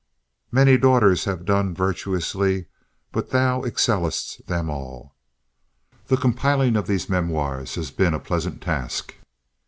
Many daughters have done virtuously, but thou excellest them all. The compiling of these memoirs has been a pleasant task.